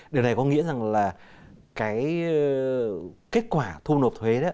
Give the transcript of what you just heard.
điều này có nghĩa rằng là kết quả thu nộp thuế